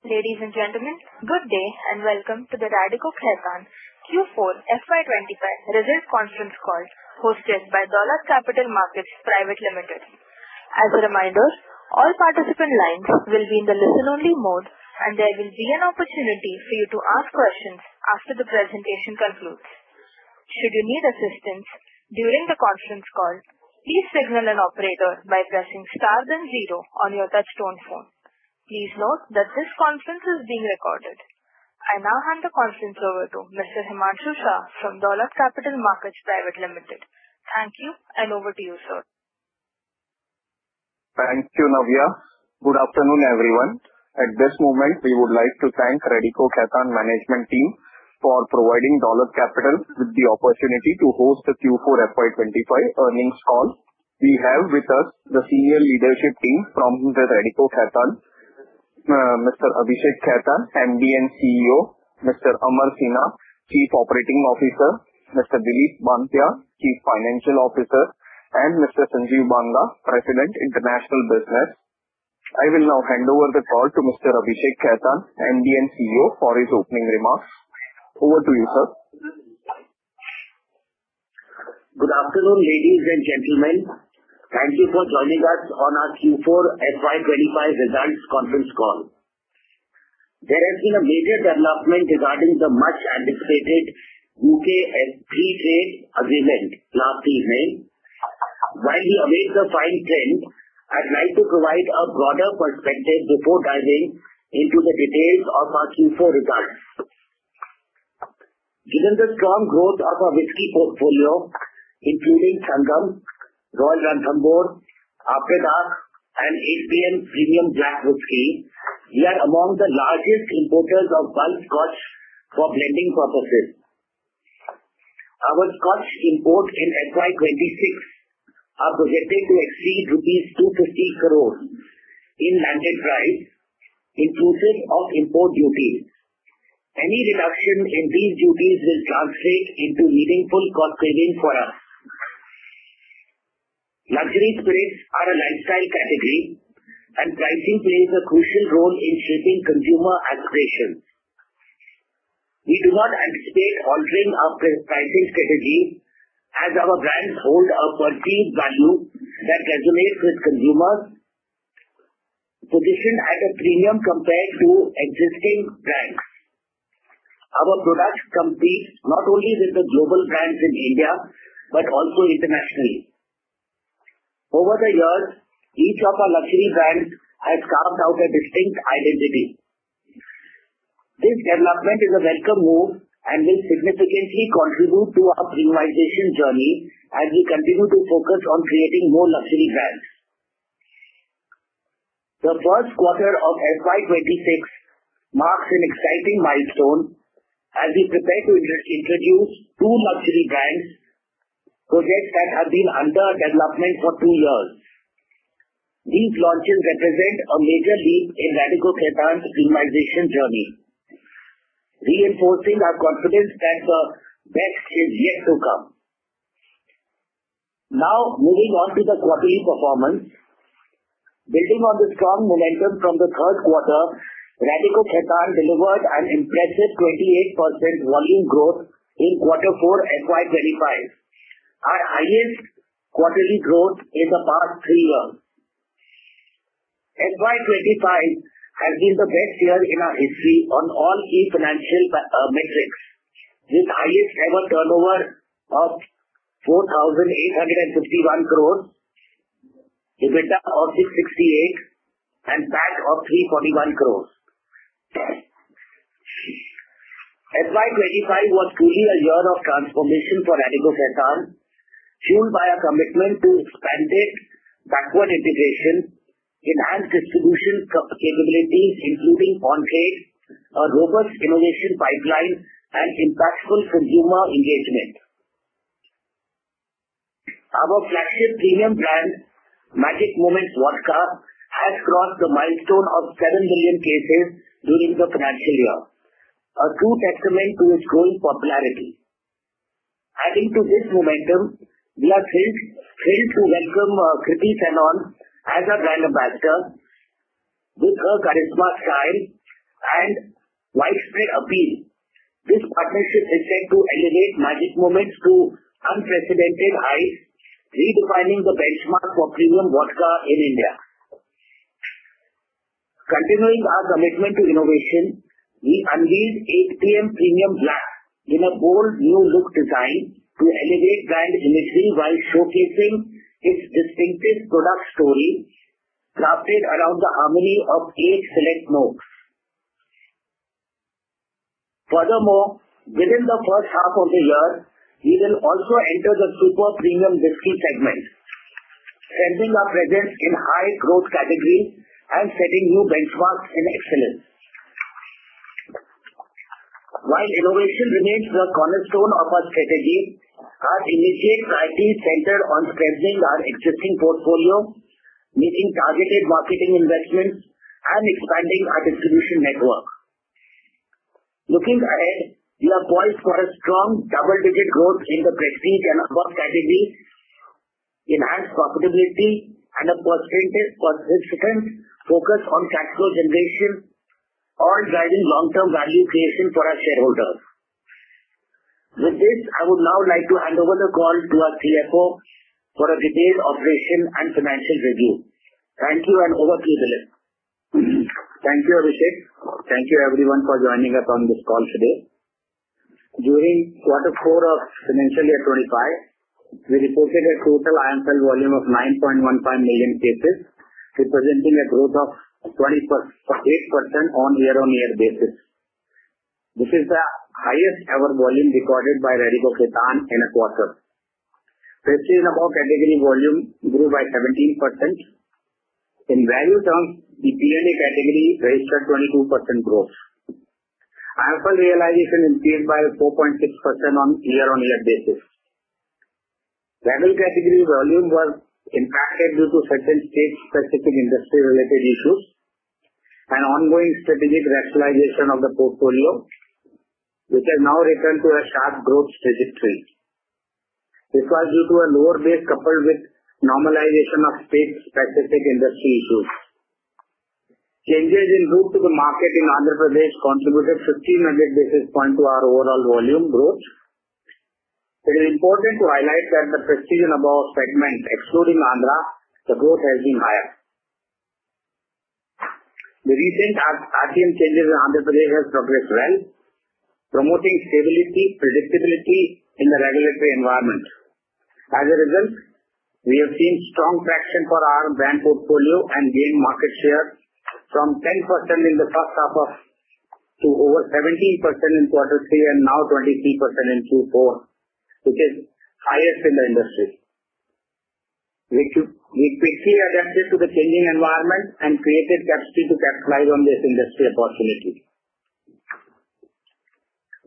Ladies and gentlemen, good day and welcome to the Radico Khaitan Q4 FY25 Result Conference Call hosted by Dolat Capital Markets Private Limited. As a reminder, all participant lines will be in the listen-only mode, and there will be an opportunity for you to ask questions after the presentation concludes. Should you need assistance during the conference call, please signal an operator by pressing star then 0 on your touch-tone phone. Please note that this conference is being recorded. I now hand the conference over to Mr. Himanshu Shah from Dolat Capital Markets Private Limited. Thank you, and over to you, sir. Thank you, Navya. Good afternoon, everyone. At this moment, we would like to thank Radico Khaitan management team for providing Dolat Capital with the opportunity to host the Q4 FY25 earnings call. We have with us the senior leadership team from Radico Khaitan, Mr. Abhishek Khaitan, MD and CEO, Mr. Amar Sinha, Chief Operating Officer, Mr. Dilip Banthiya, Chief Financial Officer, and Mr. Sanjeev Banga, President, International Business. I will now hand over the call to Mr. Abhishek Khaitan, MD and CEO, for his opening remarks. Over to you, Sir. Good afternoon, ladies and gentlemen. Thank you for joining us on our Q4 FY25 results conference call. There has been a major development regarding the much-anticipated U.K.-India FTA last evening. While we await the fine print, I'd like to provide a broader perspective before diving into the details of our Q4 results. Given the strong growth of our whiskey portfolio, including Sangam, Royal Ranthambore, After Dark, and 8PM Premium Black, we are among the largest importers of bulk Scotch for blending purposes. Our Scotch import in FY26 is projected to exceed rupees 250 crore in landed price, inclusive of import duties. Any reduction in these duties will translate into meaningful cost savings for us. Luxury spirits are a lifestyle category, and pricing plays a crucial role in shaping consumer aspirations. We do not anticipate altering our pricing strategy as our brands hold a perceived value that resonates with consumers, positioned at a premium compared to existing brands. Our products compete not only with the global brands in India but also internationally. Over the years, each of our luxury brands has carved out a distinct identity. This development is a welcome move and will significantly contribute to our premiumization journey as we continue to focus on creating more luxury brands. The first quarter of FY26 marks an exciting milestone as we prepare to introduce two luxury brands, projects that have been under development for two years. These launches represent a major leap in Radico Khaitan's premiumization journey, reinforcing our confidence that the best is yet to come. Now, moving on to the quarterly performance, building on the strong momentum from the third quarter, Radico Khaitan delivered an impressive 28% volume growth in Q4 FY25, our highest quarterly growth in the past three years. FY25 has been the best year in our history on all key financial metrics, with the highest-ever turnover of 4,851 crore, EBITDA of 668, and PAT of 341 crore. FY25 was truly a year of transformation for Radico Khaitan, fueled by a commitment to expanded backward integration, enhanced distribution capabilities, including concrete, a robust innovation pipeline, and impactful consumer engagement. Our flagship premium brand, Magic Moments Vodka, has crossed the milestone of seven million cases during the financial year, a true testament to its growing popularity. Adding to this momentum, we are thrilled to welcome Kriti Sanon as our brand ambassador. With her charisma style and widespread appeal, this partnership is set to elevate Magic Moments to unprecedented heights, redefining the benchmark for premium vodka in India. Continuing our commitment to innovation, we unveiled 8PM Premium Black in a bold new look design to elevate brand imagery while showcasing its distinctive product story, crafted around the harmony of eight select notes. Furthermore, within the first half of the year, we will also enter the super premium whiskey segment, strengthening our presence in high-growth categories and setting new benchmarks in excellence. While innovation remains the cornerstone of our strategy, our immediate priorities center on strengthening our existing portfolio, making targeted marketing investments, and expanding our distribution network. Looking ahead, we are poised for a strong double-digit growth in the Prestige & Above category, enhanced profitability, and a persistent focus on cash flow generation, all driving long-term value creation for our shareholders. With this, I would now like to hand over the call to our CFO for a detailed operation and financial review. Thank you, and over to you, Dilip. Thank you, Abhishek. Thank you, everyone, for joining us on this call today. During Q4 of financial year 25, we reported a total IMFL volume of 9.15 million cases, representing a growth of 28% on year-on-year basis. This is the highest-ever volume recorded by Radico Khaitan in a quarter. Prestige & Above category volume grew by 17%. In value terms, the P&A category registered 22% growth. IMFL realization increased by 4.6% on year-on-year basis. Level category volume was impacted due to certain state-specific industry-related issues and ongoing strategic rationalization of the portfolio, which has now returned to a sharp growth trajectory. This was due to a lower base coupled with normalization of state-specific industry issues. Changes in route to the market in Andhra Pradesh contributed 1,500 basis points to our overall volume growth. It is important to highlight that the Prestige & Above segment, excluding Andhra, the growth has been higher. The recent RTM changes in Andhra Pradesh have progressed well, promoting stability, predictability in the regulatory environment. As a result, we have seen strong traction for our brand portfolio and gained market share from 10% in the first half to over 17% in Q3 and now 23% in Q4, which is highest in the industry. We quickly adapted to the changing environment and created capacity to capitalize on this industry opportunity.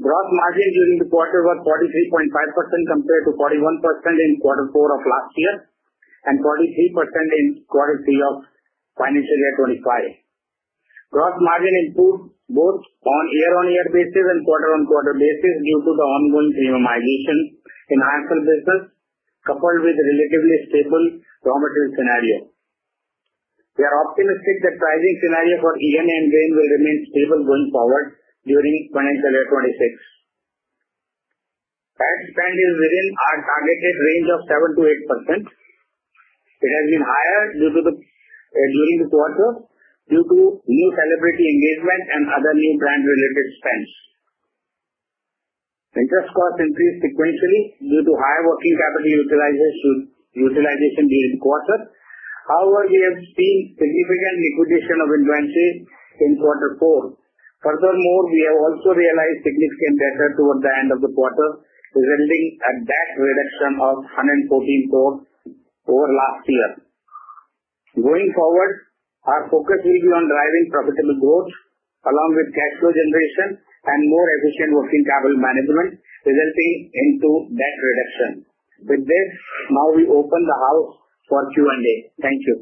Gross margin during the quarter was 43.5% compared to 41% in Q4 of last year and 43% in Q3 of financial year 25. Gross margin improved both on year-on-year basis and quarter-on-quarter basis due to the ongoing premiumization in IMFL business, coupled with a relatively stable raw material scenario. We are optimistic that the pricing scenario for ENA and grain will remain stable going forward during financial year 26. Ad spend is within our targeted range of 7%-8%. It has been higher during the quarter due to new celebrity engagement and other new brand-related spends. Interest costs increased sequentially due to higher working capital utilization during the quarter. However, we have seen significant liquidation of inventory in Q4. Furthermore, we have also realized significant debt toward the end of the quarter, resulting in a net reduction of 114 crore over last year. Going forward, our focus will be on driving profitable growth along with cash flow generation and more efficient working capital management, resulting in net reduction. With this, now we open the floor for Q&A. Thank you.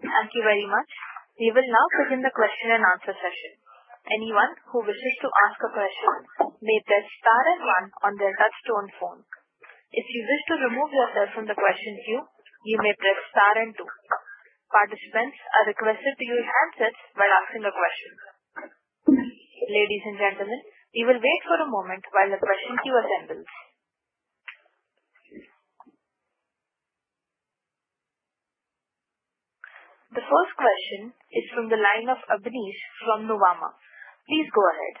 Thank you very much. We will now begin the question and answer session. Anyone who wishes to ask a question may press star and 1 on their touch-tone phone. If you wish to remove yourself from the question queue, you may press star and 2. Participants are requested to use handsets while asking a question. Ladies and gentlemen, we will wait for a moment while the question queue assembles. The first question is from the line of Abneesh from Nuvama. Please go ahead.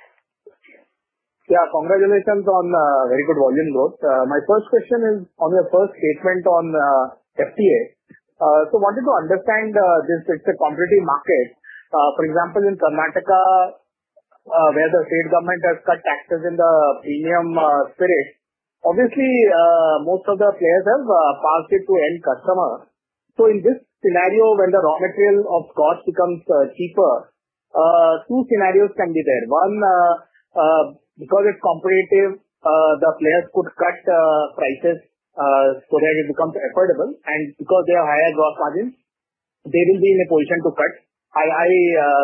Yeah, congratulations on very good volume growth. My first question is on your first statement on FTA. So I wanted to understand this. It's a competitive market. For example, in Karnataka, where the state government has cut taxes in the premium spirit, obviously, most of the players have passed it to end customers. So in this scenario, when the raw material of Scotch becomes cheaper, two scenarios can be there. One, because it's competitive, the players could cut prices so that it becomes affordable. And because they have higher gross margins, they will be in a position to cut. I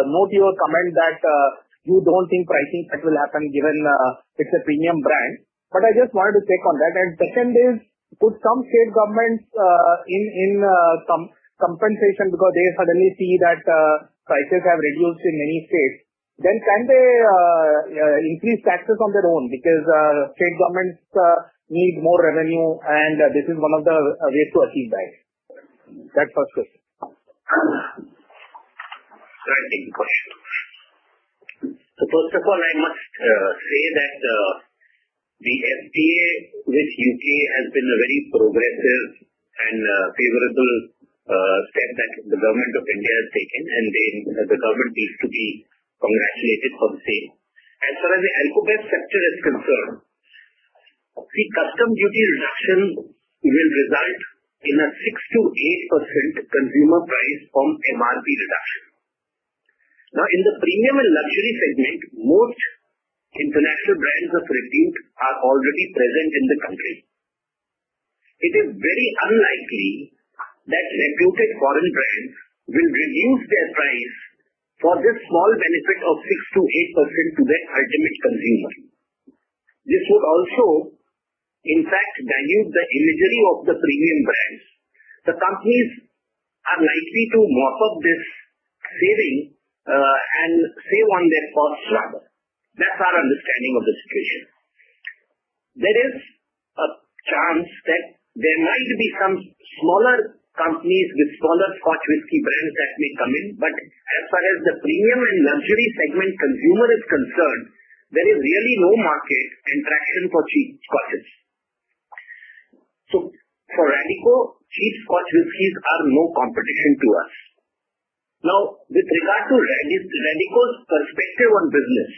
note your comment that you don't think pricing cut will happen given it's a premium brand. But I just wanted to take on that. And second is, could some state governments in compensation, because they suddenly see that prices have reduced in many states, then can they increase taxes on their own? Because state governments need more revenue, and this is one of the ways to achieve that. That's my first question. Exciting question. First of all, I must say that the FTA with the U.K. has been a very progressive and favorable step that the government of India has taken, and the government needs to be congratulated for the same. As far as the alcohol sector is concerned, the customs duty reduction will result in a 6%-8% consumer price from MRP reduction. Now, in the premium and luxury segment, most international brands are already present in the country. It is very unlikely that reputed foreign brands will reduce their price for this small benefit of 6%-8% to their ultimate consumer. This would also, in fact, dilute the imagery of the premium brands. The companies are likely to mop up this saving and save on their costs rather. That's our understanding of the situation. There is a chance that there might be some smaller companies with smaller Scotch whisky brands that may come in. But as far as the premium and luxury segment consumer is concerned, there is really no market and traction for cheap Scotch whiskies. So for Radico, cheap Scotch whiskies are no competition to us. Now, with regard to Radico's perspective on business,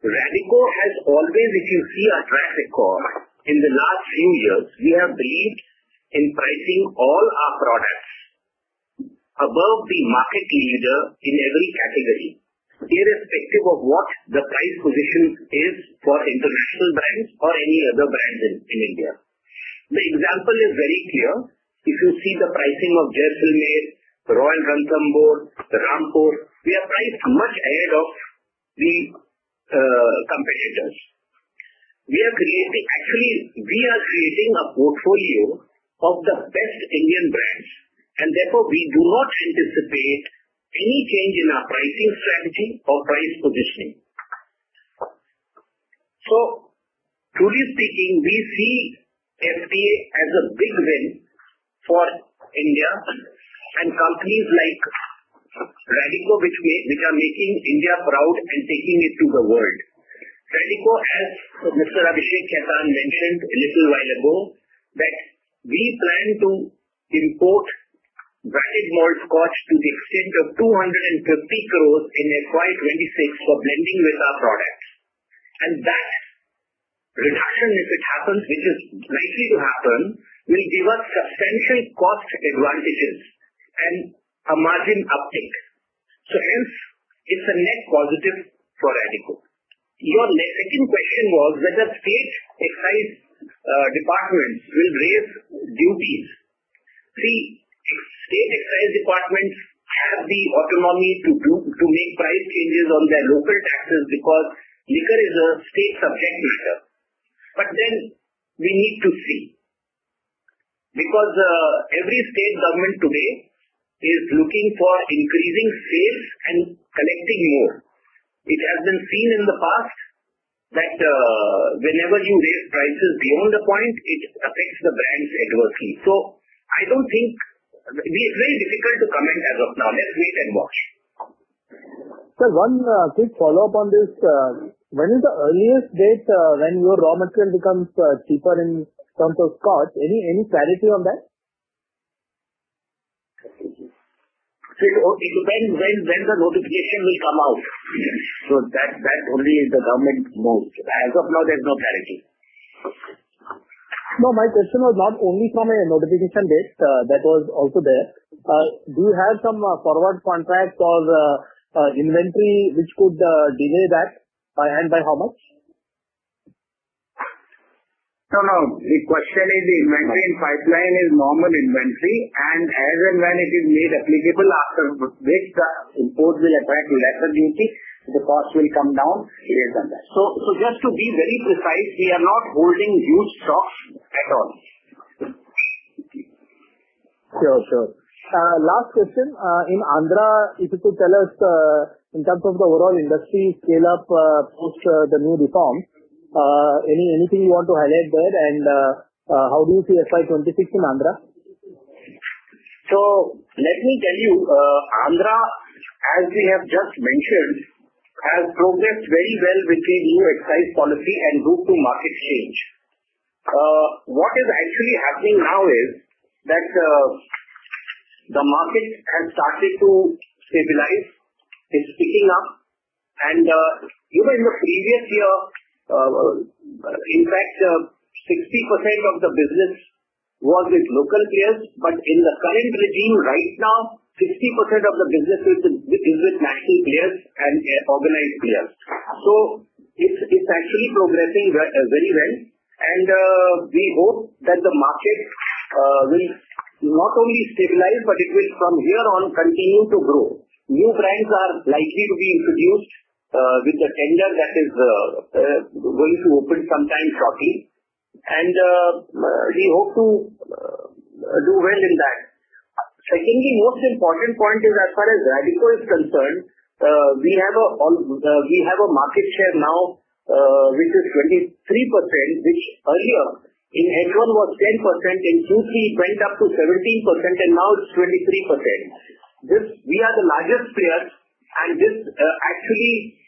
Radico has always, if you see our track record, in the last few years, we have believed in pricing all our products above the market leader in every category, irrespective of what the price position is for international brands or any other brands in India. The example is very clear. If you see the pricing of Jaisalmer, Royal Ranthambore, Rampur, we are priced much ahead of the competitors. We are creating, actually, we are creating a portfolio of the best Indian brands, and therefore we do not anticipate any change in our pricing strategy or price positioning. Truly speaking, we see FTA as a big win for India and companies like Radico, which are making India proud and taking it to the world. Radico, as Mr. Abhishek Khaitan mentioned a little while ago, that we plan to import bulk Scotch to the extent of 250 crore in FY26 for blending with our products. And that reduction, if it happens, which is likely to happen, will give us substantial cost advantages and a margin uptake. Hence, it is a net positive for Radico. Your second question was whether state excise departments will raise duties. See, state excise departments have the autonomy to make price changes on their local taxes because liquor is a state subject matter. But then we need to see because every state government today is looking for increasing sales and collecting more. It has been seen in the past that whenever you raise prices beyond a point, it affects the brands adversely. So I don't think it's very difficult to comment as of now. Let's wait and watch. Sir, one quick follow-up on this. When is the earliest date when your raw material becomes cheaper in terms of Scotch? Any clarity on that? It depends when the notification will come out. So that only is the government knows. As of now, there's no clarity. No, my question was not only from a notification date. That was also there. Do you have some forward contract or inventory which could delay that, and by how much? No, no. The question is the inventory in pipeline is normal inventory, and as and when it is made applicable, after which the import will attract lesser duty. The cost will come down based on that. So just to be very precise, we are not holding huge stocks at all. Sure, sure. Last question. In Andhra, if you could tell us in terms of the overall industry scale-up post the new reform, anything you want to highlight there, and how do you see FY26 in Andhra? So let me tell you, Andhra, as we have just mentioned, has progressed very well between new excise policy and route to market change. What is actually happening now is that the market has started to stabilize. It's picking up. And even in the previous year, in fact, 60% of the business was with local players. But in the current regime right now, 60% of the business is with national players and organized players. So it's actually progressing very well. And we hope that the market will not only stabilize, but it will, from here on, continue to grow. New brands are likely to be introduced with the tender that is going to open sometime shortly. And we hope to do well in that. Secondly, most important point is, as far as Radico is concerned, we have a market share now, which is 23%, which earlier in H1 was 10%. In Q3, it went up to 17%, and now it's 23%. We are the largest players, and this actually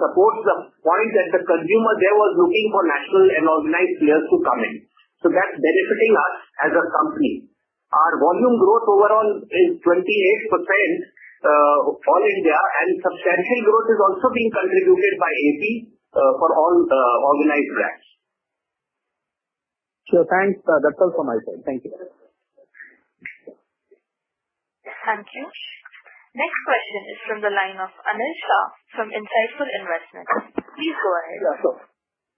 supports the point that the consumer there was looking for national and organized players to come in. So that's benefiting us as a company. Our volume growth overall is 28% all India, and substantial growth is also being contributed by AP for all organized brands. Sure. Thanks. That's all from my side. Thank you. Thank you. Next question is from the line of Anil Shah from Insightful Investments. Please go ahead. Yeah, sir.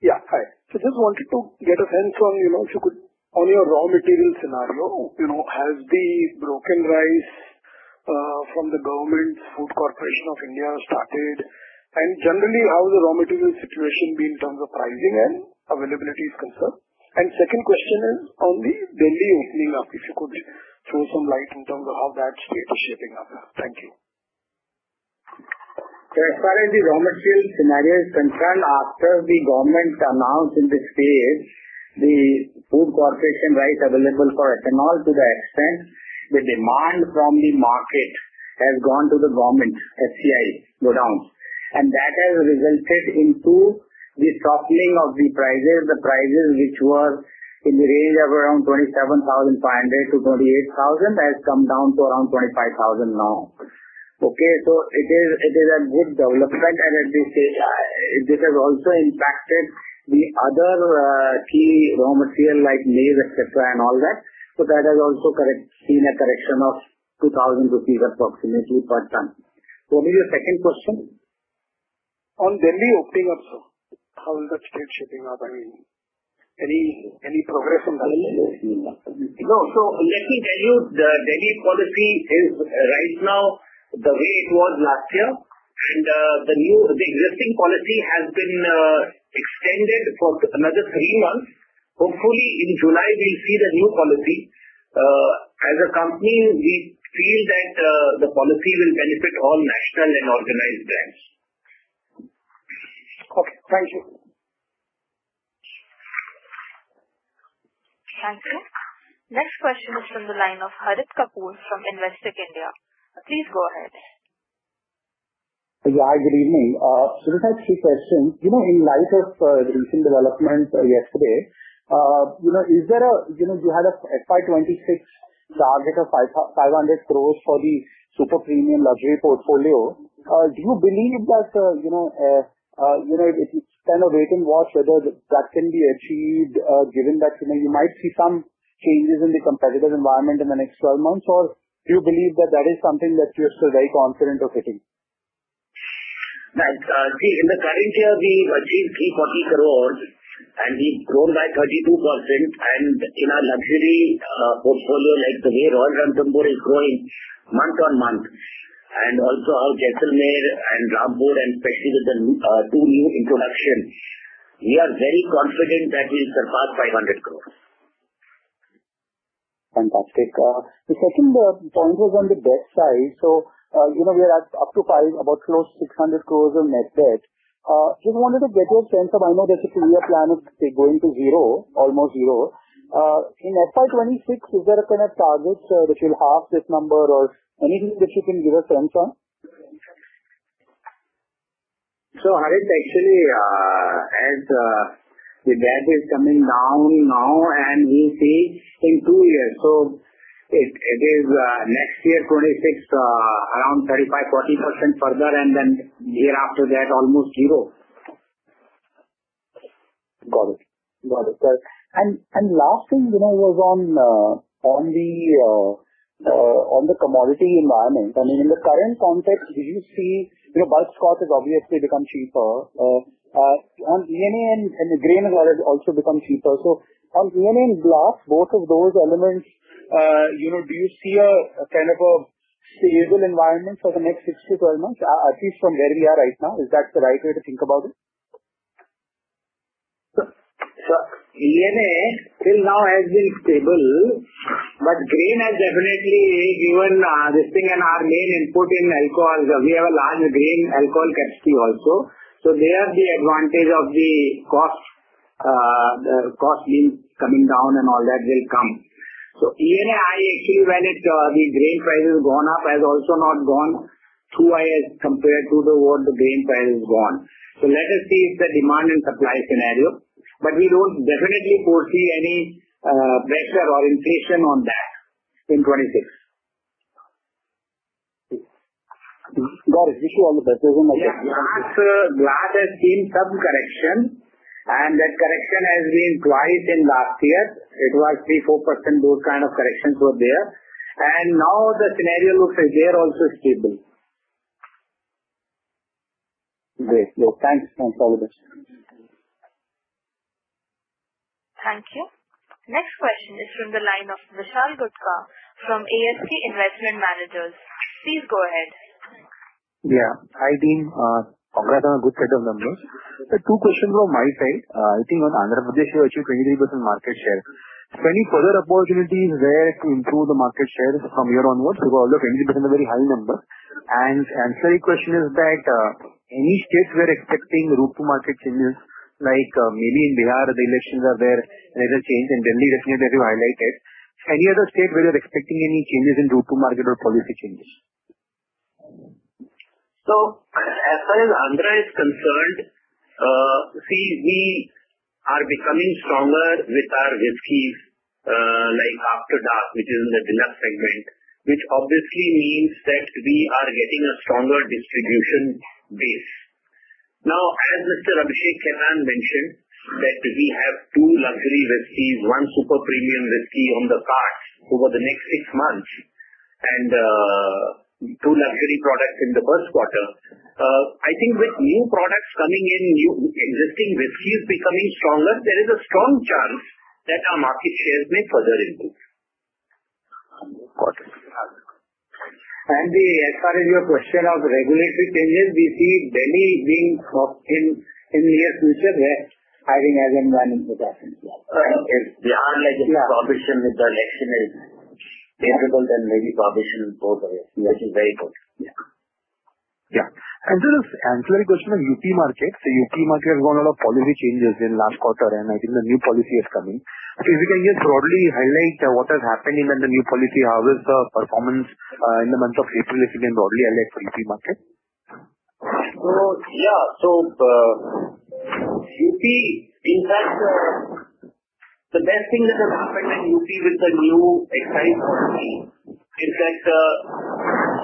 Yeah, hi. So just wanted to get a sense on if you could, on your raw material scenario, has the broken rice from the government's Food Corporation of India started? And generally, how will the raw material situation be in terms of pricing and availability is concerned? And second question is on the Delhi opening up, if you could throw some light in terms of how that state is shaping up. Thank you. So as far as the raw material scenario is concerned, after the government announced in this phase the Food Corporation of India rice available for ethanol, to the extent the demand from the market has gone to the government, FCI, go down. And that has resulted in the softening of the prices. The prices, which were in the range of around 27,500-28,000, has come down to around 25,000 now. Okay, so it is a good development, and at this stage this has also impacted the other key raw material like maize, etc., and all that. So that has also seen a correction of 2,000 rupees approximately per ton. So what is your second question? On Delhi opening up, sir, how is that state shaping up? I mean, any progress on that? No, so let me tell you, the Delhi policy is right now the way it was last year, and the existing policy has been extended for another three months. Hopefully, in July, we'll see the new policy. As a company, we feel that the policy will benefit all national and organized brands. Okay. Thank you. Thank you. Next question is from the line of Harit Kapoor from Investec India. Please go ahead. Yeah, hi, good evening. Should I ask you a question? In light of the recent development yesterday, you had a FY26 target of 500 crore for the super premium luxury portfolio. Do you believe that it's kind of wait and watch whether that can be achieved, given that you might see some changes in the competitive environment in the next 12 months, or do you believe that that is something that you're still very confident of hitting? See, in the current year, we've achieved 340 crore, and we've grown by 32%. And in our luxury portfolio, like the way Royal Ranthambore is growing month on month, and also our Jaisalmer and Rampur, and especially with the two new introductions, we are very confident that we'll surpass 500 crore. Fantastic. The second point was on the debt side. So we are up to about close to 600 crore of net debt. Just wanted to get your sense of, I know there's a two-year plan of going to zero, almost zero. In FY26, is there a kind of target that you'll half this number, or anything that you can give a sense on? So Harit, actually, as the debt is coming down now, and we see in two years, so it is next year 2026, around 35%-40% further, and then year after that, almost zero. Got it. Got it. And last thing was on the commodity environment. I mean, in the current context, did you see bulk Scotch has obviously become cheaper, and ENA and grain has also become cheaper. So on ENA and glass, both of those elements, do you see a kind of a stable environment for the next 6-12 months, at least from where we are right now? Is that the right way to think about it? So, ENA till now has been stable, but grain has definitely given this thing, and our main input in alcohol, we have a large grain alcohol capacity also. So, there's the advantage of the cost being coming down and all that will come. So, ENA, I actually, when the grain price has gone up, has also not gone two years compared to what the grain price has gone. So, let us see if the demand and supply scenario, but we don't definitely foresee any pressure or inflation on that in 2026. Got it. Thank you for all the betters. Glass has seen some correction, and that correction has been twice in the last year. It was 3%, 4%, those kind of corrections were there. Now the scenario looks like they're also stable. Great. Thanks. Thanks for all the best. Thank you. Next question is from the line of Vishal Gutka from ASK Investment Managers. Please go ahead. Yeah. Hi, team. Congrats on a good set of numbers. Two questions from my side. I think on Andhra Pradesh, you achieved 23% market share. So any further opportunities there to improve the market share from here onwards? Because although 23% is a very high number, and the answer to your question is that any states where expecting route to market changes, like maybe in Bihar, the elections are there, and there's a change in Delhi, definitely as you highlighted. Any other state where you're expecting any changes in route to market or policy changes? As far as Andhra is concerned, see, we are becoming stronger with our whiskeys, like After Dark, which is in the Deluxe segment, which obviously means that we are getting a stronger distribution base. Now, as Mr. Abhishek Khaitan mentioned that we have two luxury whiskeys, one super premium whiskey on the cards over the next six months, and two luxury products in the first quarter. I think with new products coming in, existing whiskeys becoming stronger, there is a strong chance that our market shares may further improve. Got it. As far as your question of regulatory changes, we see Delhi being in the near future. I think as and when it happens. Yeah, if we are like a prohibition with the election is favorable, then maybe prohibition goes away, which is very good. Yeah. And, sir, just ancillary question on UP market. So, UP market has gone a lot of policy changes in the last quarter, and I think the new policy is coming. So, if you can just broadly highlight what has happened in the new policy, how has the performance in the month of April, if you can broadly highlight for UP market? So yeah, so UP, in fact, the best thing that has happened in UP with the new excise policy is that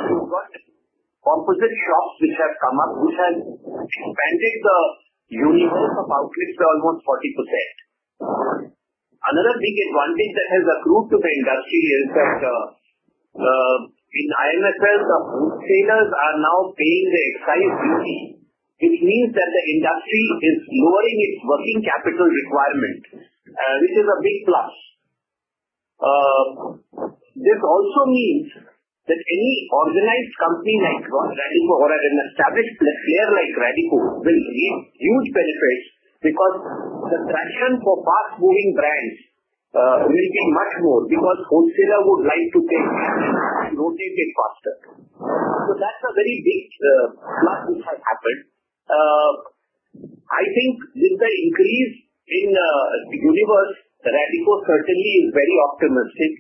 you've got composite shops which have come up, which has expanded the universe of outlets by almost 40%. Another big advantage that has accrued to the industry is that in IMFL, the wholesalers are now paying the excise duty, which means that the industry is lowering its working capital requirement, which is a big plus. This also means that any organized company like Radico or an established player like Radico will create huge benefits because the traction for fast-moving brands will be much more because wholesalers would like to take and rotate it faster. So that's a very big plus which has happened. I think with the increase in the universe, Radico certainly is very optimistic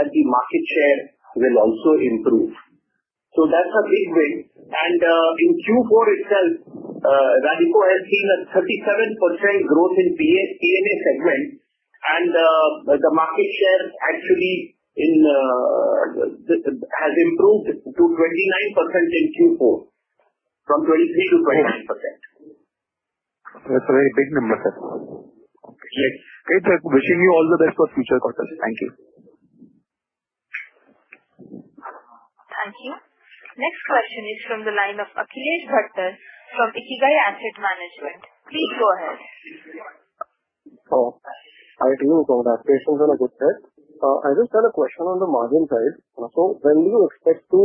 that the market share will also improve. So that's a big win. In Q4 itself, Radico has seen a 37% growth in P&A segment, and the market share actually has improved to 29% in Q4, from 23% to 29%. That's a very big number, sir. Okay. Great. Wishing you all the best for future quarters. Thank you. Thank you. Next question is from the line of Akhilesh Bhatter from IKIGAI Asset Management. Please go ahead. Oh, hi to you. Congrats. Questions are a good set. I just had a question on the margin side. So when do you expect to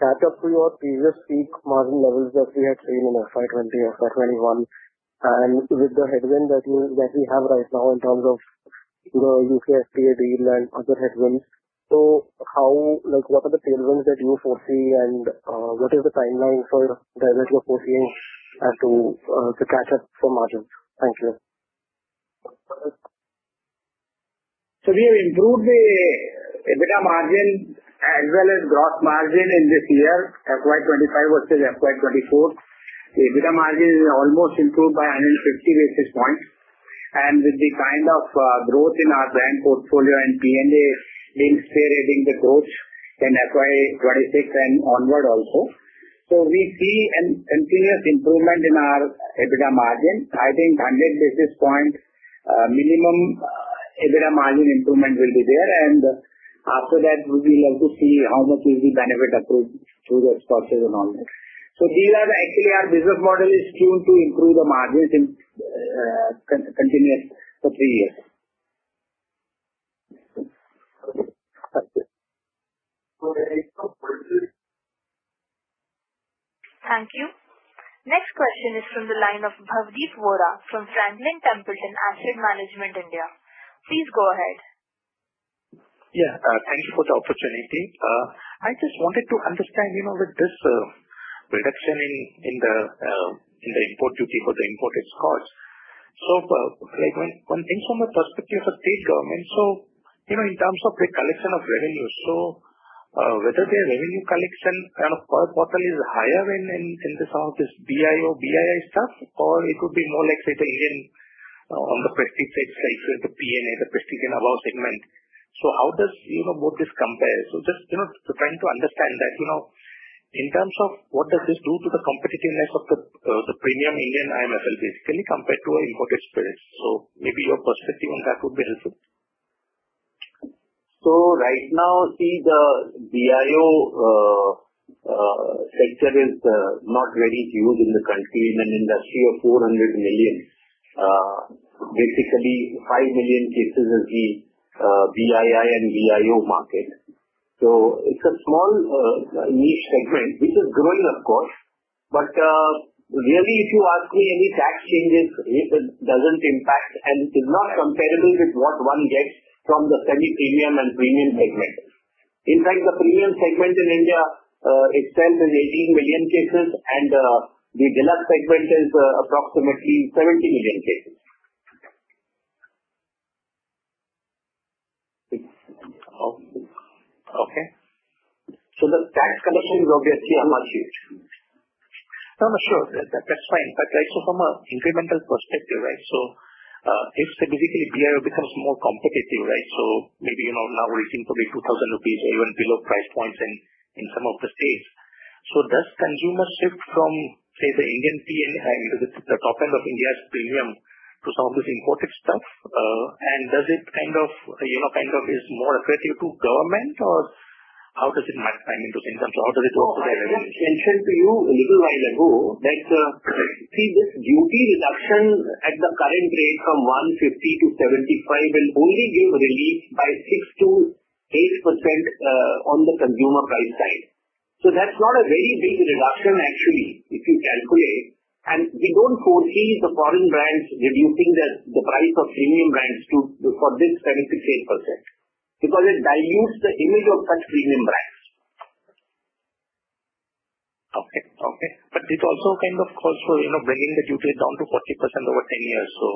catch up to your previous peak margin levels that we had seen in FY20, FY21, and with the headwind that we have right now in terms of the U.K. FTA deal and other headwinds? So what are the tailwinds that you foresee, and what is the timeline for that you're foreseeing as to catch up for margins? Thank you. So we have improved the EBITDA margin as well as gross margin in this year, FY25 versus FY24. The EBITDA margin is almost improved by 150 basis points. And with the kind of growth in our brand portfolio and P&A being spurred in the growth in FY26 and onward also, so we see a continuous improvement in our EBITDA margin. I think 100 basis point minimum EBITDA margin improvement will be there. And after that, we will have to see how much will be benefit approved through the sponsors and all that. So these are actually our business model is tuned to improve the margins in continuous for three years. Thank you. Next question is from the line of Bhavdeep Vora from Franklin Templeton Asset Management, India. Please go ahead. Yeah, thank you for the opportunity. I just wanted to understand with this reduction in the import duty for the imported Scotch. From the perspective of a state government, in terms of the collection of revenue, whether their revenue collection kind of per quart is higher in some of this BIO, BII stuff, or it would be more like the Indian on the prestige side, like the P&A, the prestige, you know, our segment. How does both this compare? Just trying to understand that in terms of what does this do to the competitiveness of the premium Indian IMFL, basically compared to our imported spirits. Maybe your perspective on that would be helpful. So right now, see, the BIO sector is not very huge in the country, in an industry of 400 million. Basically, 5 million cases is the BII and BIO market. So it's a small niche segment, which is growing, of course. But really, if you ask me, any tax changes doesn't impact and is not comparable with what one gets from the semi-premium and premium segment. In fact, the premium segment in India itself is 18 million cases, and the Deluxe segment is approximately 70 million cases. Okay. The tax collection is obviously a much huge. No, sure. That's fine. But from an incremental perspective, right, so if basically BIO becomes more competitive, right, so maybe now reaching probably 2,000 rupees or even below price points in some of the states, so does consumer shift from, say, the Indian P&A, the top end of Indian premium, to some of this imported stuff? And does it kind of is more attractive to government, or how does it impact the income? So how does it work with the revenue? I mentioned to you a little while ago that, see, this duty reduction at the current rate from 150-75 will only give relief by 6%-8% on the consumer price side. So that's not a very big reduction, actually, if you calculate. And we don't foresee the foreign brands reducing the price of premium brands for this 7-8% because it dilutes the image of such premium brands. Okay. Okay. But it also kind of costs for bringing the duty down to 40% over 10 years. So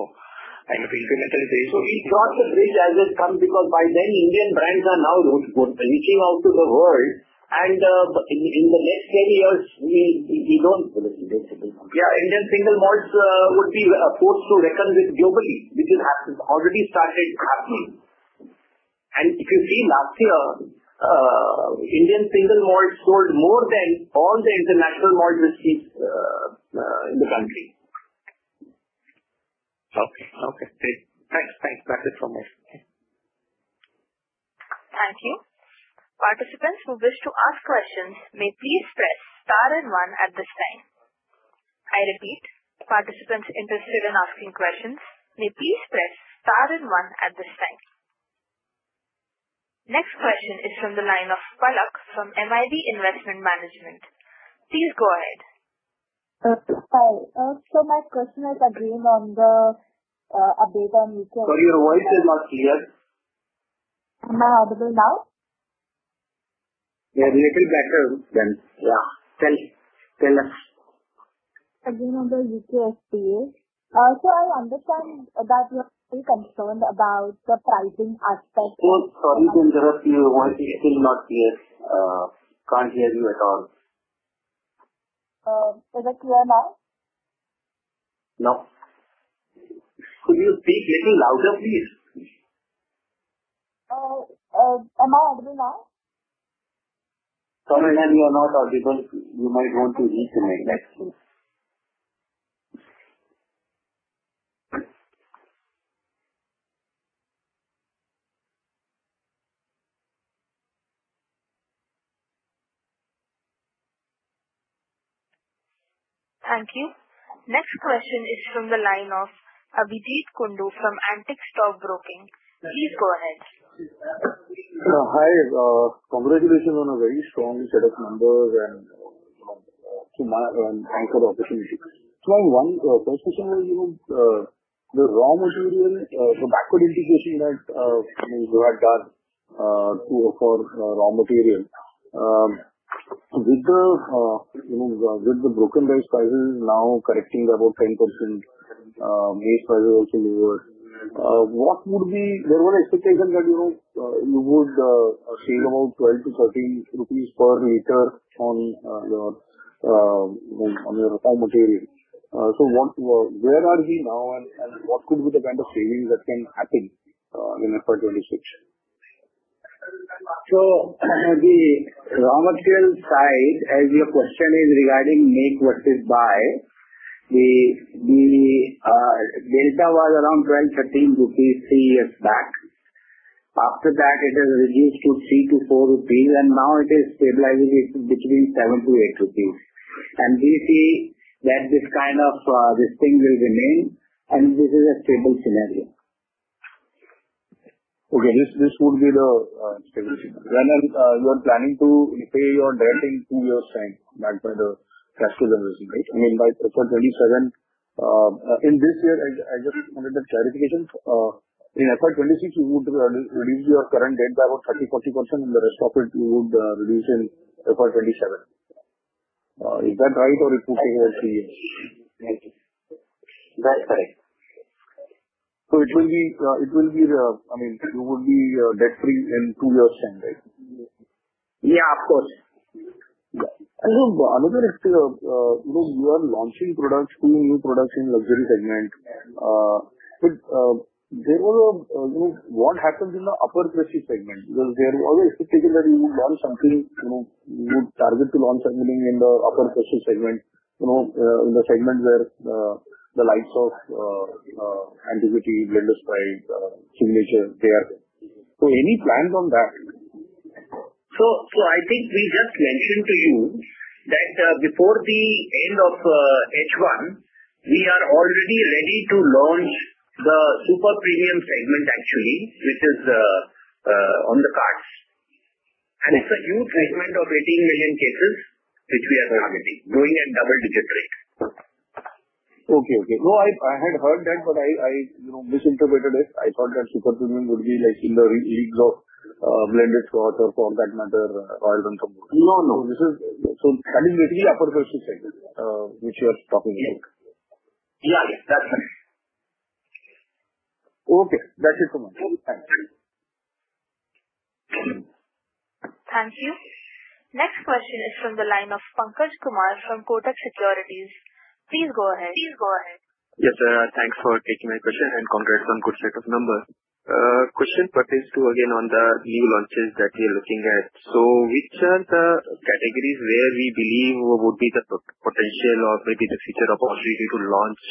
incrementally there is a... So we cross the bridge as it comes because by then Indian brands are now reaching out to the world, and in the next 10 years, we don't... Yeah, Indian single malt would be forced to reckon with globally, which has already started happening. And if you see last year, Indian single malt sold more than all the international malt whiskeys in the country. Okay. Okay. Thanks. Thanks. That's it from me. Thank you. Participants who wish to ask questions may please press star and 1 at this time. I repeat, participants interested in asking questions may please press star and 1 at this time. Next question is from the line of Palak from MIB Investment Management. Please go ahead. Hi. So my question is again on the update on U.K.... Sorry, your voice is not clear. Am I audible now? Yeah, a little better than. Yeah. Tell us. Again on the U.K. FTA. So I understand that you're concerned about the pricing aspect. Oh, sorry to interrupt you. Voice is still not clear. Can't hear you at all. Is it clear now? No. Could you speak a little louder, please? Am I audible now? Sorry, man, you are not audible. You might want to reach in my legs. Thank you. Next question is from the line of Abhijit Kundu from Antique Stock Broking. Please go ahead. Hi. Congratulations on a very strong set of numbers and another opportunity. My first question was the raw material, the backward integration that you had done for raw material. With the broken rice prices now correcting about 10%, base prices also lower, what would be? There was an expectation that you would save about 12-13 rupees per liter on your raw material. So where are we now, and what could be the kind of savings that can happen in FY26? So the raw material side, as your question is regarding make versus buy, the delta was around 12-13 rupees three years back. After that, it has reduced to 3 to 4 rupees, and now it is stabilizing between 7 to 8 rupees. And we see that this kind of this thing will remain, and this is a stable scenario. Okay. This would be the stable scenario. When you are planning to, say, you are directing two years' time back by the cash reservation, right? I mean, by FY27. In this year, I just wanted a clarification. In FY26, you would reduce your current debt by about 30%-40%, and the rest of it you would reduce in FY27. Is that right, or it would take about three years? That's correct. So it will be, I mean, you would be debt-free in two years' time, right? Yeah, of course. Another thing, you are launching products, two new products in luxury segment. There was a what happens in the upper-price segment? Because there was a specifically that you would launch something, you would target to launch something in the upper-price segment, in the segment where the likes of Antiquity, Blenders Pride, Signature, they are there. So any plans on that? So I think we just mentioned to you that before the end of H1, we are already ready to launch the super premium segment, actually, which is on the cards. And it's a huge segment of 18 million cases, which we are targeting, going at double-digit rate. Okay. Okay. No, I had heard that, but I misinterpreted it. I thought that super premium would be like in the leagues of blended Scotch or form factor, Royal Ranthambore. No, no. So that is basically upper-price segment, which you are talking about. Yeah. Yeah. That's correct. Okay. That's it from me. Thanks. Thank you. Next question is from the line of Pankaj Kumar from Kotak Securities. Please go ahead. Yes, sir. Thanks for taking my question, and congrats on good set of numbers. Question pertains to, again, on the new launches that we are looking at. So which are the categories where we believe would be the potential or maybe the future opportunity to launch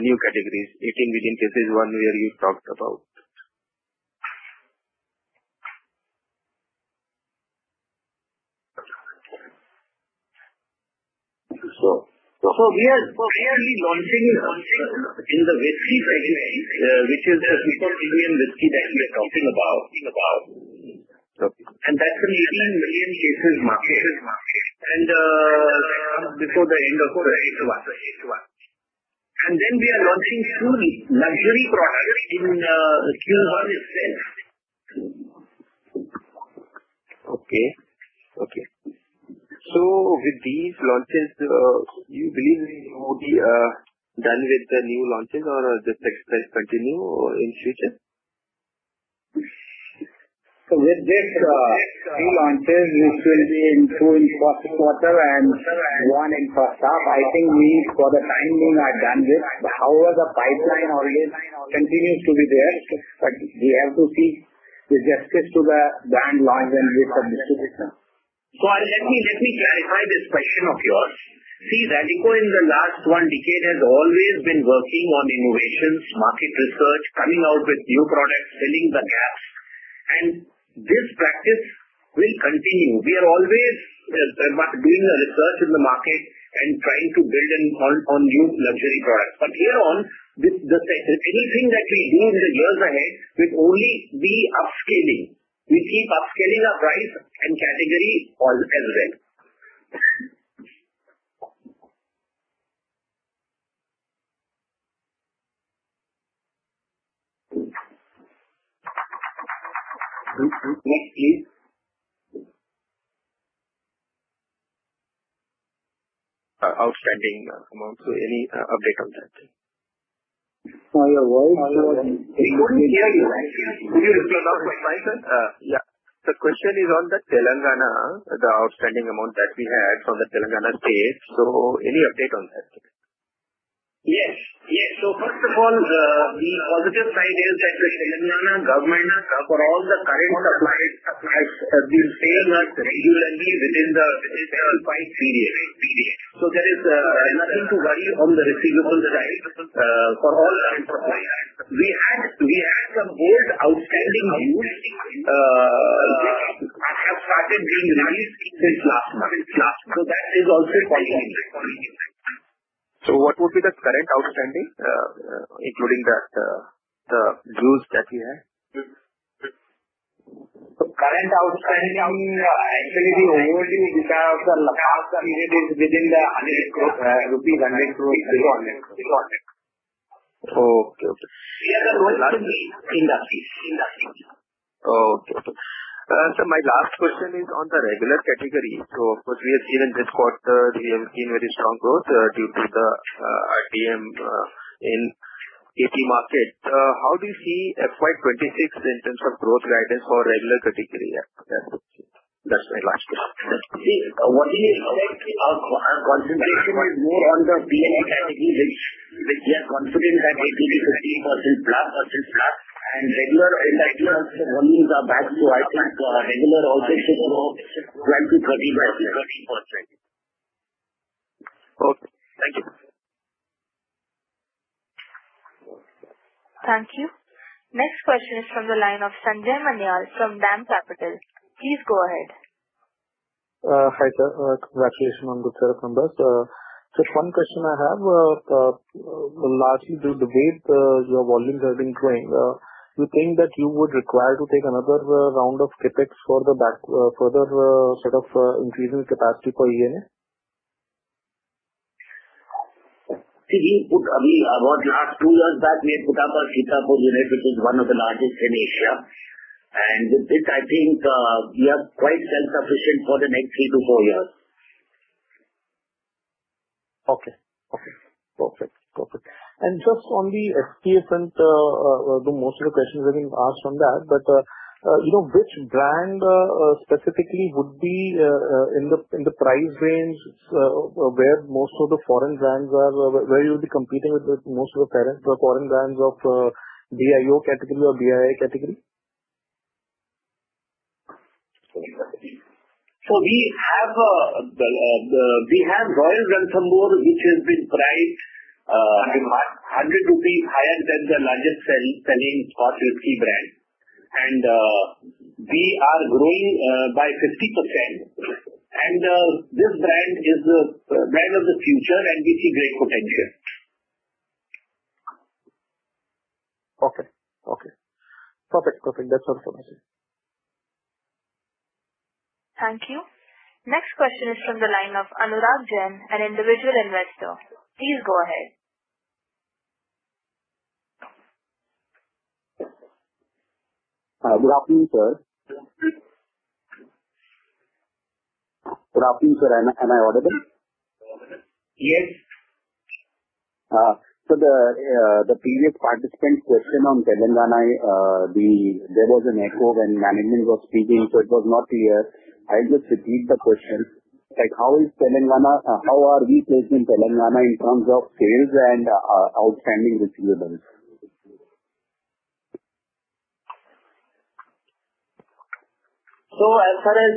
new categories, 18 million cases, one where you talked about? So. So, we are really launching in the whiskey segment, which is the super premium whiskey that we are talking about. And that's an 18 million cases market. And before the end of H1. And then we are launching two luxury products in Q1 itself. Okay. So with these launches, you believe it would be done with the new launches, or just expect to continue in the future? So with these two launches, which will be in Q1 and Q2 and Q3, I think we, for the time being, are done with. However, the pipeline always continues to be there, but we have to see the justice to the brand launch and with the distribution. So let me clarify this question of yours. See, Radico in the last one decade has always been working on innovations, market research, coming out with new products, filling the gaps. And this practice will continue. We are always doing the research in the market and trying to build on new luxury products. But here on, anything that we do in the years ahead, we only be upscaling. We keep upscaling our price and category as well. Next, please. Outstanding amount. So any update on that? Sorry, your voice? Could you hear me? Could you just close out for a time, sir? Yeah. The question is on the Telangana, the outstanding amount that we had from the Telangana state. So any update on that? Yes. Yes. So first of all, the positive side is that the Telangana government, for all the current supplies, have been paying us regularly within the five period. So there is nothing to worry on the receivables side for all the suppliers. We had some old outstanding dues which have started being released since last month. So that is also continuing. What would be the current outstanding, including the dues that you had? Current outstanding, actually, the overdue dues are of the last period is within the INR 100 crore. ₹100 crore. ₹100 crore. 100 crore. Okay. Okay. We are closing in on the peak. Okay. So my last question is on the regular category. So of course, we have seen in this quarter very strong growth due to the RTM in AP market. How do you see FY26 in terms of growth guidance for regular category? That's my last question. See, what is our concentration is more on the P&A category, which we are confident that it will be 15% plus, and regular volumes are back to, I think, regular also should grow 12%-13%. Okay. Thank you. Thank you. Next question is from the line of Sanjay Manyal from DAM Capital. Please go ahead. Hi, sir. Congratulations on good set of numbers. Just one question I have. Lastly, to date your volumes have been growing, you think that you would require to take another round of CapEx for the further set of increasing capacity for ENA? See, I mean, about two years back, we had put up a Sitapur unit, which is one of the largest in Asia. And with this, I think we are quite self-sufficient for the next three to four years. Okay. Perfect. And just on the SPF, I think most of the questions have been asked on that. But which brand specifically would be in the price range where most of the foreign brands are? Where you would be competing with most of the foreign brands of BIO category or BII category? So we have Royal Ranthambore, which has been priced 100 rupees higher than the largest selling Scotch whiskey brand. And we are growing by 50%. And this brand is the brand of the future, and we see great potential. Okay. Okay. Perfect. Perfect. That's all for me. Thank you. Next question is from the line of Anurag Jain, an individual investor. Please go ahead. Good afternoon, sir. Good afternoon, sir. Am I audible? Yes. So the previous participant's question on Telangana, there was an echo when management was speaking, so it was not clear. I'll just repeat the question. How are we placed in Telangana in terms of sales and outstanding receivables? As far as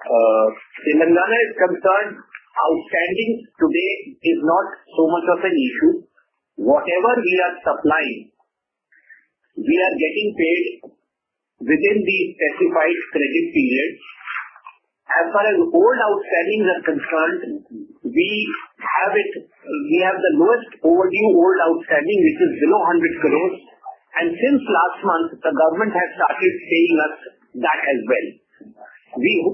Telangana is concerned, outstanding today is not so much of an issue. Whatever we are supplying, we are getting paid within the specified credit period. As far as old outstandings are concerned, we have the lowest overdue old outstanding, which is below 100 crore. Since last month, the government has started paying us that as well.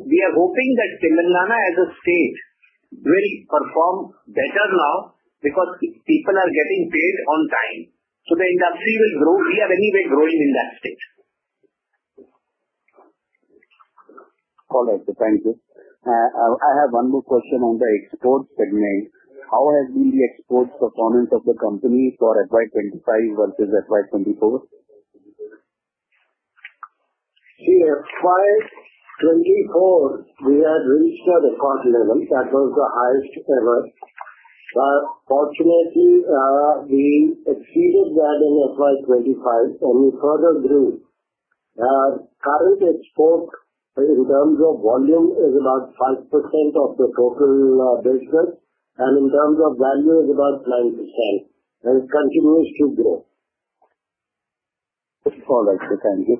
We are hoping that Telangana as a state will perform better now because people are getting paid on time. The industry will grow. We are anyway growing in that state. All right. Thank you. I have one more question on the export segment. How has been the export performance of the company for FY25 versus FY24? See, FY24, we had reached a record level. That was the highest ever. Fortunately, we exceeded that in FY25, and we further grew. Current export in terms of volume is about 5% of the total business, and in terms of value, it is about 9%. And it continues to grow. All right. Thank you.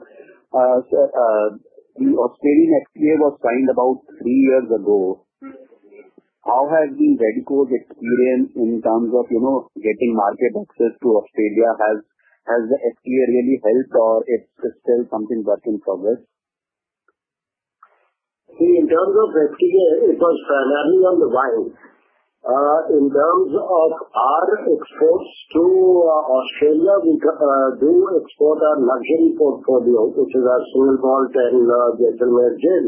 The Australian FTA was signed about three years ago. How has Radico Khaitan's experience in terms of getting market access to Australia? Has the FTA really helped, or is it still a work in progress? See, in terms of FTA, it was primarily on the wine. In terms of our exports to Australia, we do export our luxury portfolio, which is our single malt and Jaisalmer gin.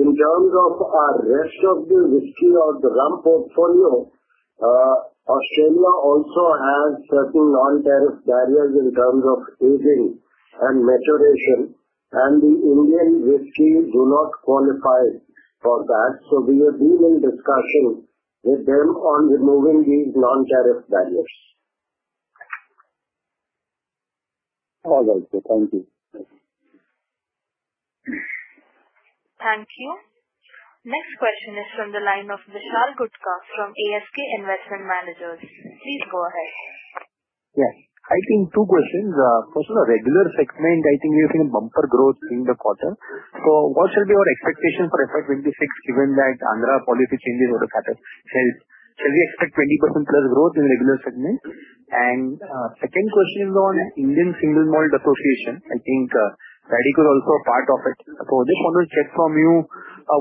In terms of our rest of the whiskey or the rum portfolio, Australia also has certain non-tariff barriers in terms of aging and maturation. And the Indian whiskey do not qualify for that. So we have been in discussion with them on removing these non-tariff barriers. All right. Thank you. Thank you. Next question is from the line of Vishal Gutka from ASK Investment Managers. Please go ahead. Yes. I think two questions. First, the regular segment, I think we've seen a bumper growth in the quarter. So what should be our expectation for FY26, given that Andhra policy changes have happened? Shall we expect 20% plus growth in the regular segment? And second question is on Indian Single Malt Association. I think Radico is also a part of it. So I just want to check from you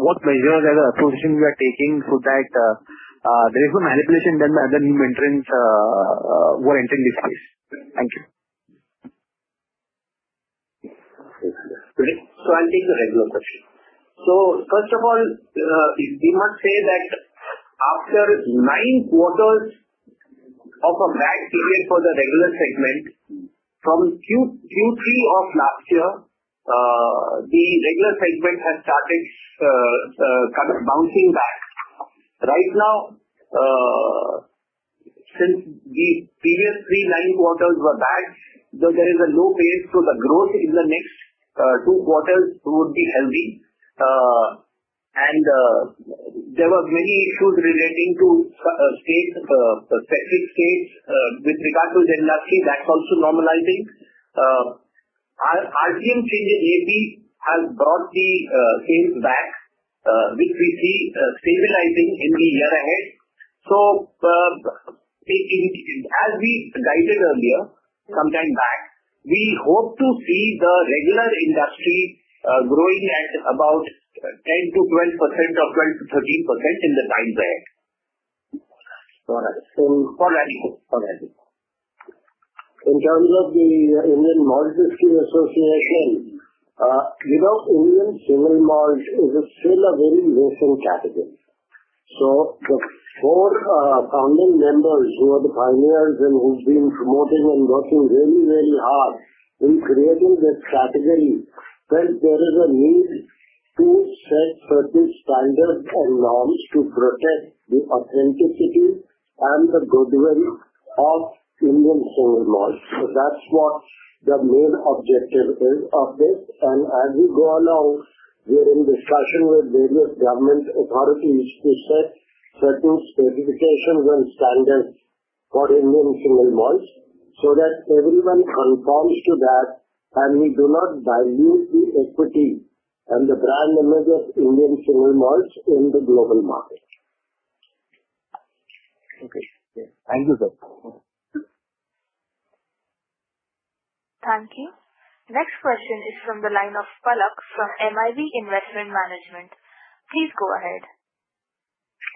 what measures as an association we are taking so that there is no manipulation done by other new entrants who are entering this space. Thank you. So I'll take the regular question. So first of all, we must say that after nine quarters of a bad period for the regular segment, from Q3 of last year, the regular segment has started bouncing back. Right now, since the previous three nine quarters were bad, there is a low pace, so the growth in the next two quarters would be healthy. And there were many issues relating to states, specific states, with regard to the industry. That's also normalizing. RTM changes maybe have brought the sales back, which we see stabilizing in the year ahead. So as we guided earlier, some time back, we hope to see the regular industry growing at about 10%-12% or 12%-13% in the times ahead. All right. All right. In terms of the Indian Single Malt Whisky Association, without Indian single malt, it is still a very nascent category. So the four founding members who are the pioneers and who've been promoting and working really, really hard in creating this category felt there is a need to set certain standards and norms to protect the authenticity and the goodwill of Indian single malt. So that's what the main objective is of this, and as we go along, we're in discussion with various government authorities to set certain specifications and standards for Indian single malt so that everyone conforms to that and we do not dilute the equity and the brand image of Indian single malt in the global market. Okay. Thank you, sir. Thank you. Next question is from the line of Palak from MIB Investment Management. Please go ahead.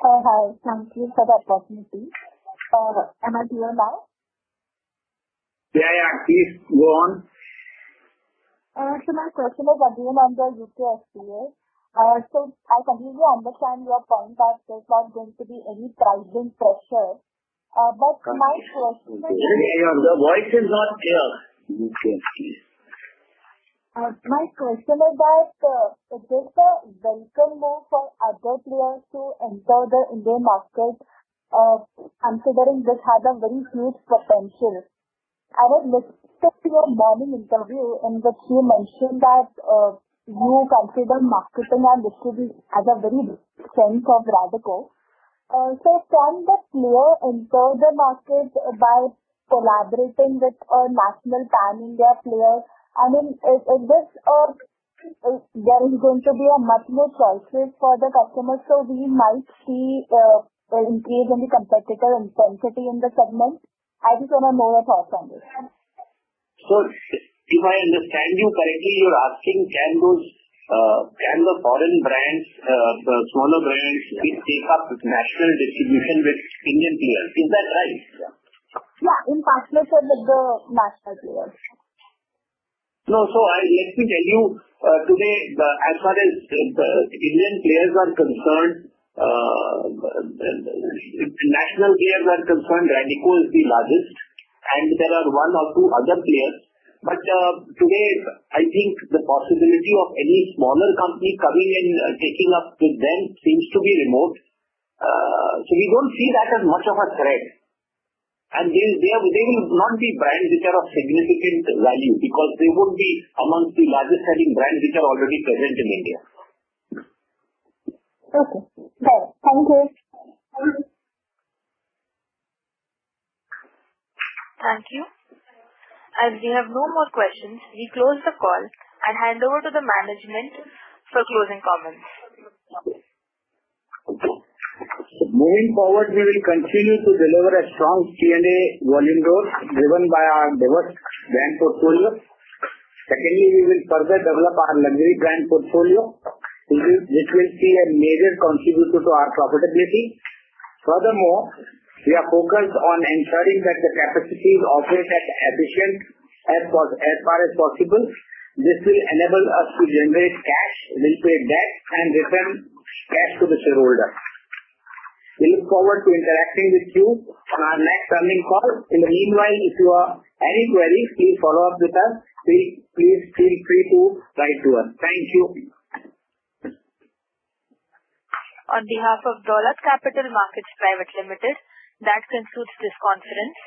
Hi. Thank you for the opportunity. Am I audible now? Yeah, yeah. Please go on. So my question is again under U.K. FTA. So I completely understand your point that there's not going to be any pricing pressure. But my question is. The voice is not clear. U.K. FTA. My question is that there's a welcome move for other players to enter the Indian market, considering this has a very huge potential. I had listened to your morning interview in which you mentioned that you consider marketing and distribute as a very big strength of Radico. So can the player enter the market by collaborating with a national pan-India player? I mean, is this there is going to be a much more choice rate for the customers? So we might see an increase in the competitive intensity in the segment. I just want to know your thoughts on this? So if I understand you correctly, you're asking, can the foreign brands, the smaller brands, take up national distribution with Indian players? Is that right? Yeah. In partnership with the national players. No. So let me tell you, today, as far as the Indian players are concerned, national players are concerned, Radico is the largest. And there are one or two other players. But today, I think the possibility of any smaller company coming and taking up with them seems to be remote. So we don't see that as much of a threat. And there will not be brands which are of significant value because they would be amongst the largest selling brands which are already present in India. Okay. Good. Thank you. Thank you. As we have no more questions, we close the call and hand over to the management for closing comments. Moving forward, we will continue to deliver a strong P&A volume growth driven by our diverse brand portfolio. Secondly, we will further develop our luxury brand portfolio, which will be a major contributor to our profitability. Furthermore, we are focused on ensuring that the capacities operate as efficiently as possible. This will enable us to generate cash, repay debts, and return cash to the shareholders. We look forward to interacting with you on our next earnings call. In the meanwhile, if you have any queries, please follow up with us. Please feel free to write to us. Thank you. On behalf of Dolat Capital Markets Private Limited, that concludes this conference.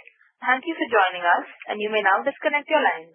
Thank you for joining us, and you may now disconnect your line.